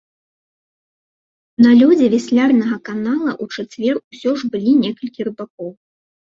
На лёдзе вяслярнага канала ў чацвер усё ж былі некалькі рыбакоў.